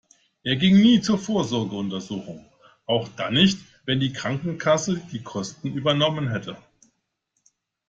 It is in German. Er ging nie zur Vorsorgeuntersuchung, auch dann nicht, wenn die Krankenkasse die Kosten übernommen hätte.